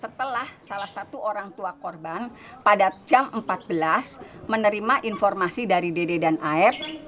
setelah salah satu orang tua korban pada jam empat belas menerima informasi dari dede dan af